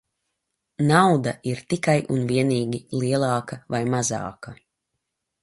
Nauda ir tikai un vienīgi lielāka vai mazāka.